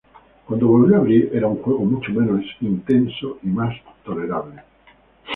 Cuando volvió a abrir, era un juego mucho menos intenso y más tolerable.